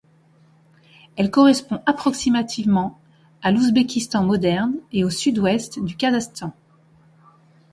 Elle correspond approximativement à l'Ouzbékistan moderne et au sud-ouest du Kazakhstan.